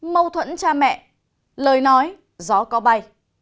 mâu thuẫn cha mẹ lời nói gió có bay